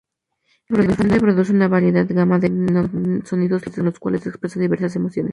El elefante produce una variada gama de sonidos, con los cuales expresa diversas emociones.